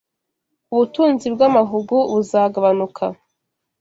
Ubutunzi bw’amahugu buzagabanuka